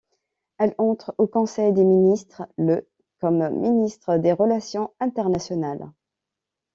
Elle entre au conseil des ministres le comme ministre des Relations internationales.